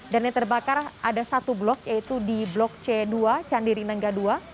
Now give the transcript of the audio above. dan yang terbakar ada satu blok yaitu di blok c dua candiri nengga dua